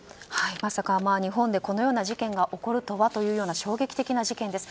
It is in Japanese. まさか日本でこのような事件が起こるとはというような衝撃的な事件です。